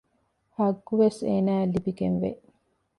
ޙައްޤުވެސް އޭނާއަށް ލިބިގެންވޭ